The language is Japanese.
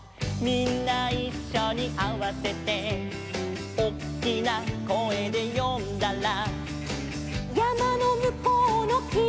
「みんないっしょにあわせて」「おっきな声で呼んだら」